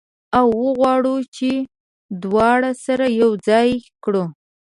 او وغواړو چې دواړه سره یو ځای کړو.